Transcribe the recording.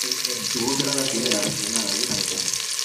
su voz era lastimera, resignada , llena de penas: